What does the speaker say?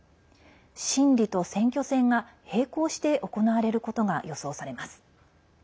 審理と選挙戦が、並行して行われることが予想されます。